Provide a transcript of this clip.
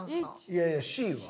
いやいや「Ｃ」は？